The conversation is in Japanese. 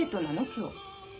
今日。